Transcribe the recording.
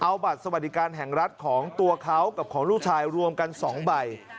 เอาบัตรสวัสดิการแห่งรัฐของตัวเขากับของลูกชายรวมกัน๒ใบ